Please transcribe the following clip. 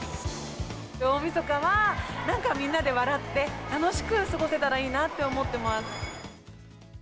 大みそかは、なんかみんなで笑って楽しく過ごせたらいいなと思ってます。